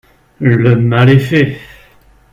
Le mal est fait